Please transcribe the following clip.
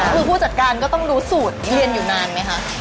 คือผู้จัดการก็ต้องรู้สูตรเรียนอยู่นานไหมคะ